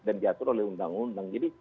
dan diatur oleh undang undang